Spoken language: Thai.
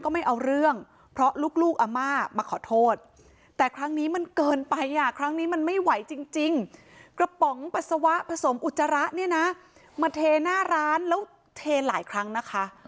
เศษอาผสมอุจจาระนี่นะมาเทหน้าร้านแล้วเทหลายครั้งนะคะ